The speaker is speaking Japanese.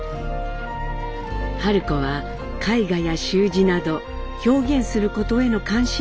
春子は絵画や習字など表現することへの関心もありました。